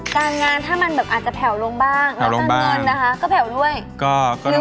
การงานถ้ามันแบบอาจจะแผ่วลงบ้างแล้วการเงินนะคะก็แผ่วด้วย